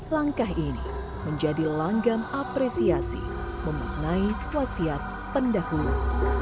langkah ini menjadi langgam apresiasi memaknai wasiat pendahulu